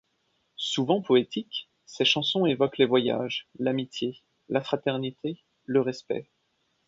Souvent poétiques, ses chansons évoquent les voyages, l'amitié, la fraternité, le respect.